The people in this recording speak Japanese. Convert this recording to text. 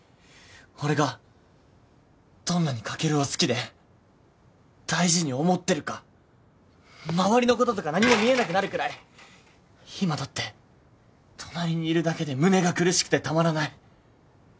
俺がどんなにカケルを好きで大事に思ってるか周りのこととか何も見えなくなるくらい今だって隣にいるだけで胸が苦しくてたまらない